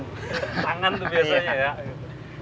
tangan tuh biasanya ya